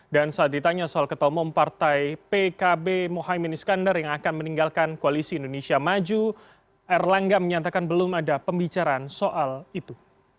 dan saat ditanya soal ketemu partai pkb mohaimin iskandar yang akan meninggalkan koalisi indonesia maju erlangga menyatakan belum ada pembicaraan soal itu